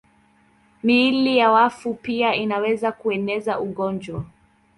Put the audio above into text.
Miili ya wafu pia inaweza kueneza ugonjwa.